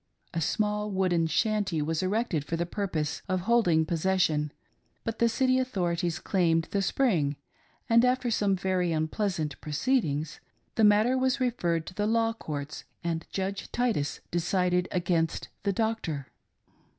A small wooden shanty was erected for the purpose of holding possession, but the city authorities claimed the spring, and, after some very unpleasant proceedings, the matter was referred to the law courts, and Judge Titus decided against the doctor.